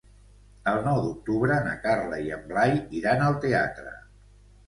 El nou d'octubre na Carla i en Blai iran al teatre.